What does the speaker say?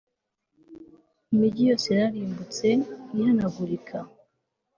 Imigi yose yararimbutse ihanagurika